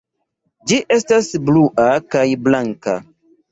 Ĝi estas blua kaj blanka.